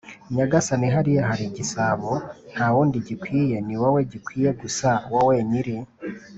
“nyagasani hariya hari igisabo nta wundi gikwiye, ni wowe gikwiye gusa, wowe nyiri